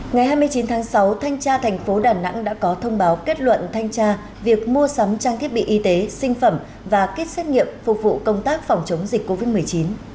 ngày hai mươi chín tháng sáu thanh tra thành phố đà nẵng đã có thông báo kết luận thanh tra việc mua sắm trang thiết bị y tế sinh phẩm và kết xét nghiệm phục vụ công tác phòng chống dịch covid một mươi chín